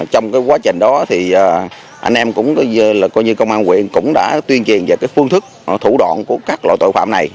trong cái quá trình đó thì anh em cũng là công an huyện cũng đã tuyên truyền về cái phương thức thủ đoạn của các loại tội phạm này